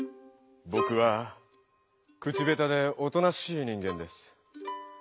ぼくは口下手でおとなしい人間です。